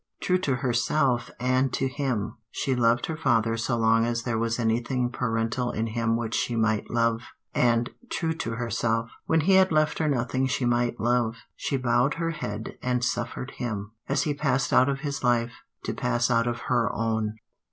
True to herself and to him, she loved her father so long as there was anything parental in him which she might love; and, true to herself, when he had left her nothing she might love, she bowed her head and suffered him, as he passed out of his life, to pass out of her own.